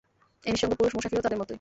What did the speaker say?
এ নিঃসঙ্গ পুরুষ মুসাফিরও তাদের মতই।